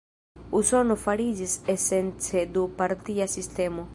Usono fariĝis esence du-partia sistemo.